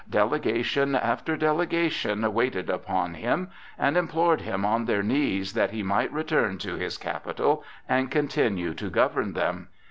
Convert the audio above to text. Delegation after delegation waited upon him and implored him on their knees that he might return to his capital and continue to govern them.